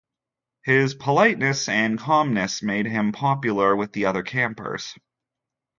His politeness and calmness made him popular with the other campers.